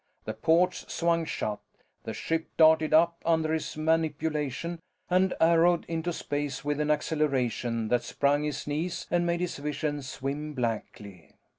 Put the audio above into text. The ports swung shut. The ship darted up under his manipulation and arrowed into space with an acceleration that sprung his knees and made his vision swim blackly.